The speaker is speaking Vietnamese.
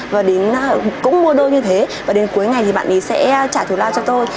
và cũng mua đô như thế và đến cuối ngày thì bạn ấy sẽ trả thù lao cho tôi